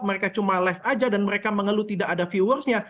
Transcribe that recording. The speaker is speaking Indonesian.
mereka cuma live aja dan mereka mengeluh tidak ada viewersnya